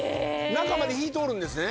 中まで火通るんですね。